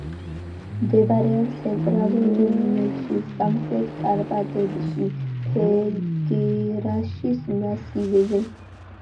მდებარეობს ცენტრალურ რუმინეთში, სამხრეთ კარპატებში, ფეგერაშის მასივზე.